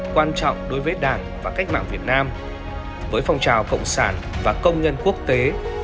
quan trọng đối với đảng và cách mạng việt nam với phong trào cộng sản và công nhân quốc tế